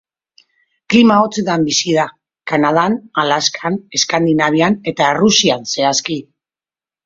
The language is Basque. Klima hotzetan bizi da: Kanadan, Alaskan, Eskandinavian eta Errusian zehazki.